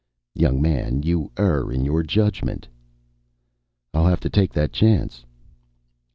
"Young man, you err in your judgment." "I'll have to take that chance."